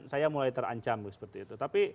saya mulai terancam seperti itu tapi